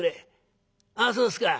「ああそうですか」。